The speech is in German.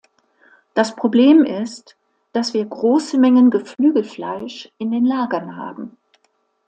Das Problem ist, dass wir große Mengen Geflügelfleisch in den Lagern haben.